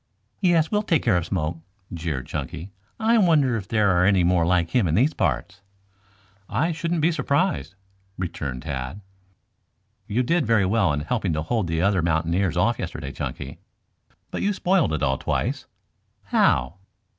"Yes, we'll take care of Smoke," jeered Chunky. "I wonder if there are any more like him in these parts?" "I shouldn't be surprised," returned Tad. "You did very well in helping to hold the other mountaineers off yesterday, Chunky. But you spoiled it all twice." "How?"